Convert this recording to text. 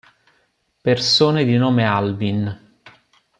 Persone di nome Alvin